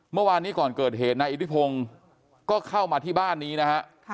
เมื่อวานนี้ก่อนเกิดเหตุนายอิทธิพงศ์ก็เข้ามาที่บ้านนี้นะฮะ